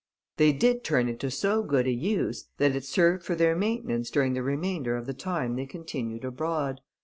They did turn it to so good a use, that it served for their maintenance during the remainder of the time they continued abroad.